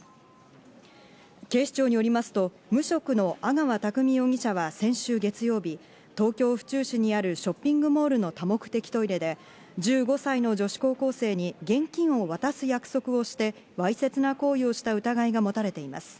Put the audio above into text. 警視庁によりますと無職の阿川巧容疑者は先週月曜日、東京・府中市にあるショッピングモールの多目的トイレで、１５歳の女子高校生に現金を渡す約束をして、わいせつな行為をした疑いが持たれています。